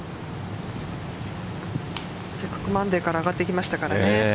せっかくマンデーから上がってきましたからね。